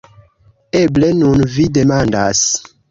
Eble nun vi demandas.